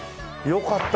よかった。